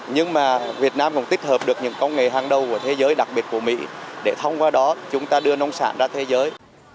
nhưng mà việt nam cũng tích hợp được những công nghệ hàng đầu của thế giới đặc biệt của mỹ để thông qua đó chúng ta đưa nông sản ra thế giới